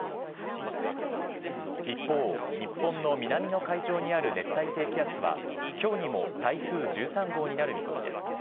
一方、日本の南の海上にある熱帯低気圧はきょうにも台風１３号になる見込みです。